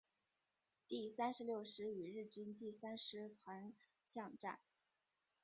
第三十六师与日军第三师团巷战。